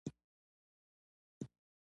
ناڅاپه د جانکو له لاسه د سخوندر پړی خوشی شو.